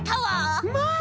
まあ！